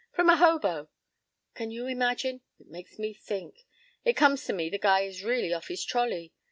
From a hobo! "Can you imagine? It makes me think. It comes to me the guy is really off his trolley.